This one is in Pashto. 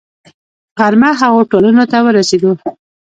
غرمه هغو هوټلونو ته ورسېدو.